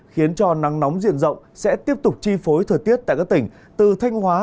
khiến cho nắng nóng diện rộng sẽ tiếp tục chi phối thời tiết tại các tỉnh từ thanh hóa